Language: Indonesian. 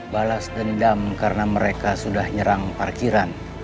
balas dan idam karena mereka sudah nyerang parkiran